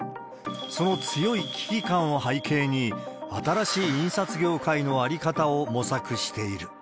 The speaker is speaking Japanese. その強い危機感を背景に、新しい印刷業界の在り方を模索している。